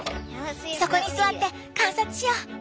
そこに座って観察しよう！